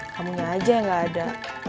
kamunya aja yang gak ada